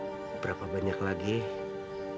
berapa banyak lagi perhiasan yang mesti aku kasih ke kamu